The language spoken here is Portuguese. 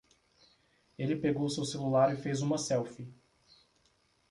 Ele pegou seu celular e fez uma selfie.